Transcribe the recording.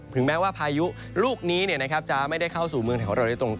ถึงแม้ว่าพายุลูกนี้จะไม่ได้เข้าสู่เมืองแถวเราได้ตรง